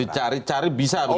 jadi cari cari bisa begitu pak